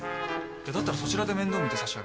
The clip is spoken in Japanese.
だったらそちらで面倒見て差し上げたら。